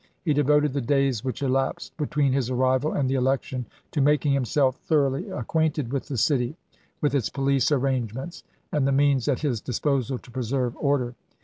He de voted the days which elapsed between his arrival and the election to making himself thoroughly LINCOLN KEELECTED 375 acquainted with the city, with its police arrange chap, xvl ments, and the means at his disposal to preserve order.